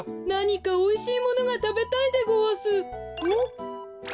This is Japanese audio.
なにかおいしいものがたべたいでごわす。